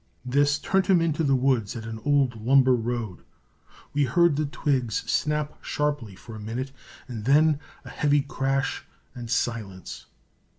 This turned him into the woods at an old lumber road. We heard the twigs snap sharply for a minute, and then a heavy crash and silence.